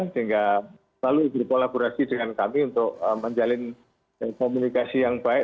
sehingga selalu berkolaborasi dengan kami untuk menjalin komunikasi yang baik